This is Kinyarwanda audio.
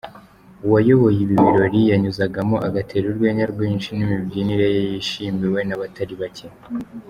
Uwayoboye ibi birori yanyuzagamo agatera urwenya rwinshi n'imibyinire ye yishimiwe n'abatari bake.